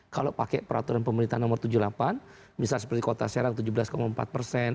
kalau pakai peraturan pemerintah nomor tujuh puluh delapan misal seperti kota serang tujuh belas empat persen